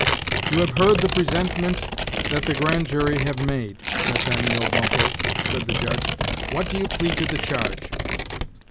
"You have heard the presentment that the grand jury have made, Nathaniel Bumppo," said the Judge; "what do you plead to the charge?"